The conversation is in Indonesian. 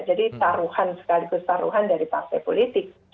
jadi taruhan sekaligus taruhan dari partai politik